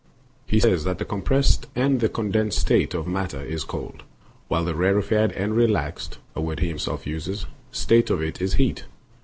He says that the compressed and the condensed state of matter is cold, while the rarefied and relaxed (a word he himself uses) state of it is heat.